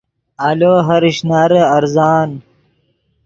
آلو ہر اشنارے ارزان